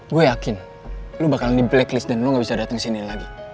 gue yakin lo bakal di blacklist dan lo gak bisa datang ke sini lagi